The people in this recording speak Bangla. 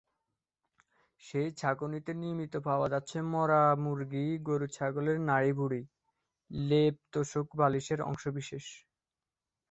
সেই ছাঁকনিতে নিয়মিত পাওয়া যাচ্ছে মরা মুরগি, গরু-ছাগলের নাড়িভুঁড়ি, লেপ-তোশক-বালিশের অংশবিশেষ।